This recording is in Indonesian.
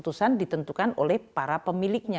keputusan ditentukan oleh para pemiliknya